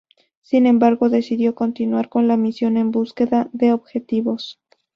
Sin embargo, decidió continuar con la misión en búsqueda de objetivos.